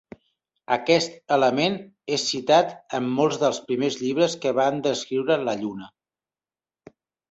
Aquest element és citat en molts dels primers llibres que van descriure la Lluna.